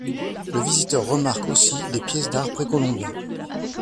Le visiteur remarque aussi des pièces d'art précolombien.